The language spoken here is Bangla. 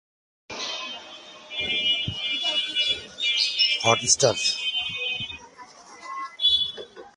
বর্তমানে এই প্রজাতিটি সংরক্ষণ প্রচেষ্টার প্রয়োজন হিসাবে তালিকাভুক্ত করা হয়নি।